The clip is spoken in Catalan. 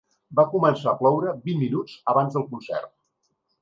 Va començar a ploure vint minuts abans del concert.